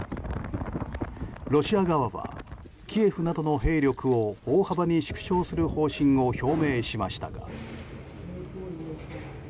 ロシア側はキエフなどの兵力を大幅に縮小する方針を表明しました。